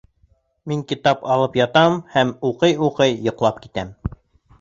Мин китап алып ятам һәм уҡый-уҡый йоҡлап китәм